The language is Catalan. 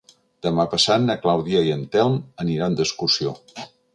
Demà passat na Clàudia i en Telm aniran d'excursió.